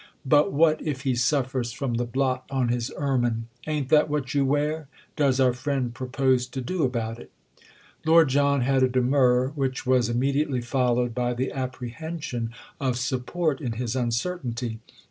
But what, if he suffers from the blot on his ermine—ain't that what you wear?—does our friend propose to do about it?" Lord John had a demur, which was immediately followed by the apprehension of support in his uncertainty.